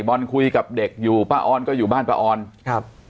บอลคุยกับเด็กอยู่ป้าออนก็อยู่บ้านป้าออนครับ